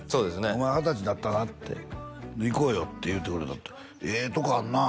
「お前二十歳になったな」って「行こうよ」って言うてくれたって「ええとこあんなあ」